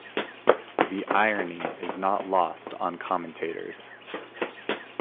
The irony is not lost on commentators.